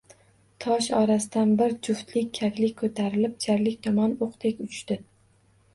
Tosh orasidan bir juft kaklik ko‘tarilib jarlik tomon o‘qdek uchdi